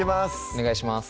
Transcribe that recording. お願いします